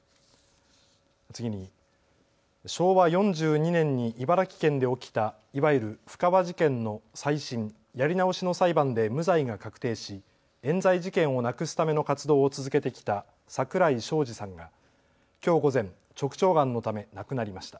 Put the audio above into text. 次に、昭和４２年に茨城県で起きたいわゆる布川事件の再審・やり直しの裁判で無罪が確定し、えん罪事件をなくすための活動を続けてきた桜井昌司さんがきょう午前、直腸がんのため亡くなりました。